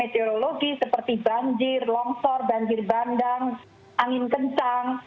meteorologi seperti banjir longsor banjir bandang angin kencang